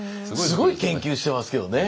すごい研究してますけどね。